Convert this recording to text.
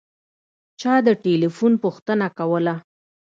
چا د تیلیفون پوښتنه کوله.